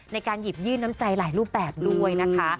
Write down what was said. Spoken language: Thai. ในการหยิบยื่นน้ำใจหลายรูปแบบด้วยนะคะ